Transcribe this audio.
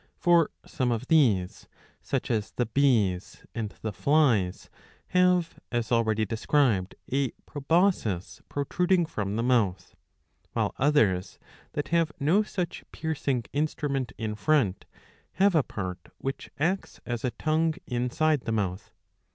For some of these, such as the Bees and the Flies, have, as already described, a proboscis protruding from the mouth;''' while others, that have no such piercing instrument in front, have a part which acts as a tongue inside the mbuth.